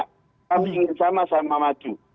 kami ingin sama sama maju